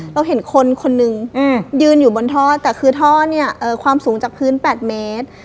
เราเห็นคนคนนึงยืนอยู่บนท่อแต่คือท่อเนี่ยความสูงจากพื้น๘เมตร